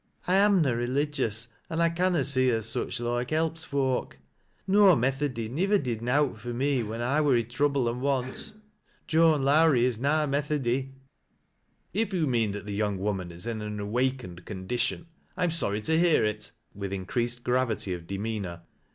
" I amna religious an' I canna see as such loike helps foak. No Methody nivver did nowt for me when I war i' trouble an' want. Joan Lowrie is na n ifethody." "If you mean that the young woman is in an m awakened oundition, I am sorry to hear it," with increased gravity of demeanor.